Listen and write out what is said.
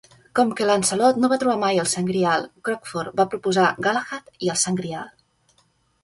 Com que Lancelot no va trobar mai el Sant Grial, Crockford va proposar "Galahad i el Sant Grial".